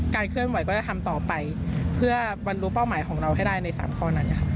เคลื่อนไหวก็จะทำต่อไปเพื่อบรรลุเป้าหมายของเราให้ได้ใน๓ข้อนั้นค่ะ